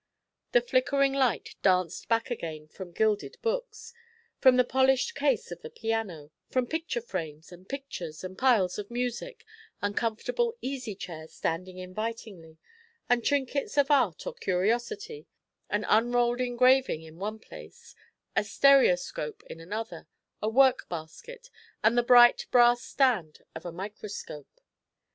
The flickering light danced back again from gilded books, from the polished case of the piano, from picture frames, and pictures, and piles of music, and comfortable easy chairs standing invitingly, and trinkets of art or curiosity; an unrolled engraving in one place, a stereoscope in another, a work basket, and the bright brass stand of a microscope.